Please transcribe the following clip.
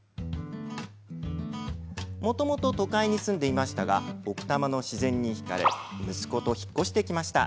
もともと都会に住んでいましたが奥多摩の自然に引かれ息子と引っ越してきました。